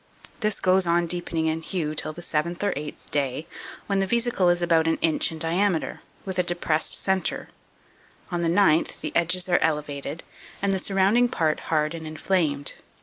This goes on deepening in hue till the seventh or eighth day, when the vesicle is about an inch in diameter, with a depressed centre; on the ninth the edges are elevated, and the surrounding part hard and inflamed.